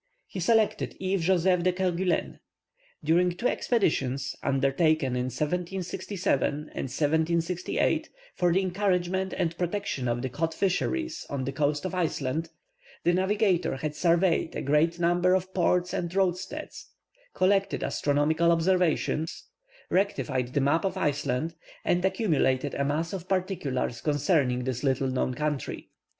He selected Yves Joseph de Kerguelen. During two expeditions, undertaken in 1767 and 1768, for the encouragement and protection of the cod fisheries on the coast of Iceland, this navigator had surveyed a great number of ports and roadsteads, collected astronomical observations, rectified the map of Iceland, and accumulated a mass of particulars concerning this little known country.